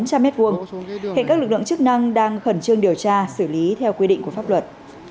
hiện các lực lượng chức năng đang khẩn trương điều tra xử lý theo quy định của pháp luật